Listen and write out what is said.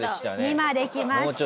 ２まで来ました。